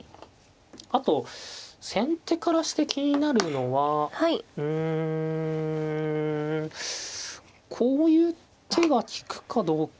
あと先手からして気になるのはうんこういう手が利くかどうか。